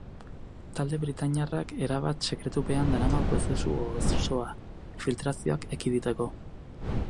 Talde britainiarrak erabat sekretupean darama prozesu osoa, filtrazioak ekiditeko.